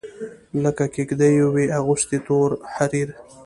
لکه کیږدېو وي اغوستي تور حریر